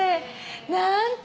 なんて